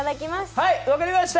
はい、分かりました！